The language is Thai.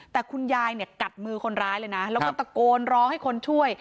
แต่คุณยายเนี่ยกัดมือคนร้ายเลยนะแล้วก็ตะโกนร้องให้คนช่วย